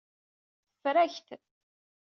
Teffer-ak-t.